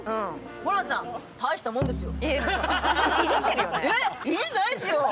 ホランさん、たいしたもんですよ。